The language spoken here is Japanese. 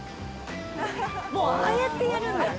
もうああやってやるんだ。